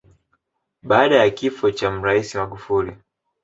Baada ya kifo cha Mraisi Magufuli